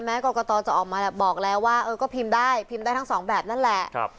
กรกตจะออกมาบอกแล้วว่าก็พิมพ์ได้พิมพ์ได้ทั้งสองแบบนั่นแหละ